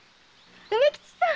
梅吉さん！